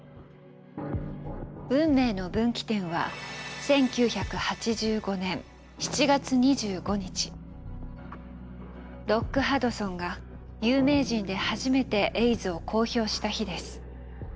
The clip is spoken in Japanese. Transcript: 運命の分岐点はロック・ハドソンが有名人で初めてエイズを公表した日です。